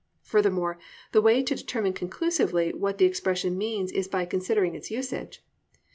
Furthermore, the way to determine conclusively what the expression means is by considering its usage.